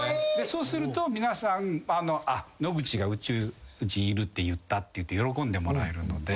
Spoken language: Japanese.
そうすると皆さん「野口が宇宙人いるって言った」って喜んでもらえるので。